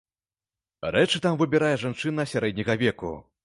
Рэчы там выбірае жанчына сярэдняга веку.